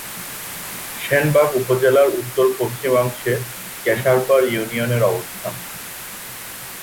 সেনবাগ উপজেলার উত্তর-পশ্চিমাংশে কেশারপাড় ইউনিয়নের অবস্থান।